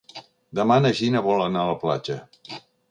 Demà na Gina vol anar a la platja.